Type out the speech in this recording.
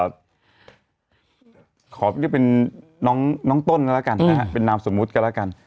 ขอเรียกเป็นน้องต้นก็แล้วกันนะฮะเป็นนามสมมุติกันแล้วกัน